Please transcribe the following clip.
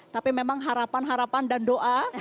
tapi memang harapan harapan dan doa